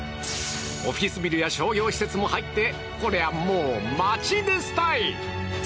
オフィスビルや商業施設も入ってこれはもう街ですたい。